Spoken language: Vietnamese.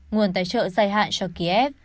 nguồn tài trợ dài hạn cho kiev